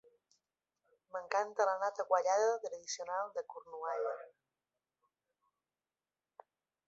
M'encanta la nata quallada tradicional de Cornualla